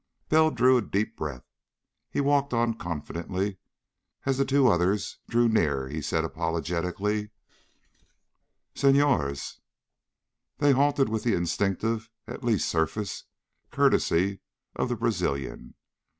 Bell drew a deep breath. He walked on, confidently. As the two others drew near he said apologetically: "Senhores." They halted with the instinctive, at least surface, courtesy of the Brazilian.